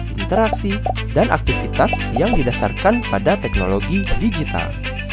interaksi dan aktivitas yang didasarkan pada teknologi digital